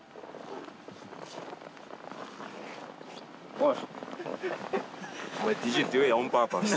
おい！